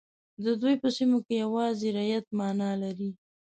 د دوی په سیمو کې یوازې رعیت معنا لري.